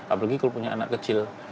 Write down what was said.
apalagi kalau punya anak kecil